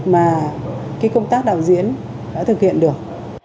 mà cái công tác đạo diễn đã thực hiện được